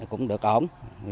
cũng được ổn